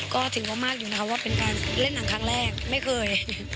ก็ถือว่ามากอยู่นะคะว่าเป็นการเล่นหนังครั้งแรกไม่เคย